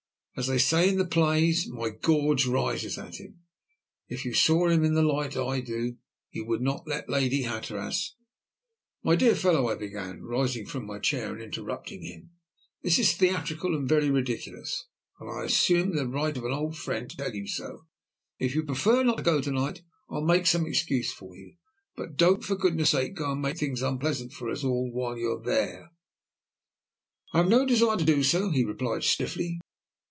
"As they say in the plays, 'my gorge rises at him!' If you saw him in the light I do, you would not let Lady Hatteras " "My dear fellow," I began, rising from my chair and interrupting him, "this is theatrical and very ridiculous, and I assume the right of an old friend to tell you so. If you prefer not to go to night, I'll make some excuse for you, but don't, for goodness' sake, go and make things unpleasant for us all while you're there." "I have no desire to do so," he replied stiffly.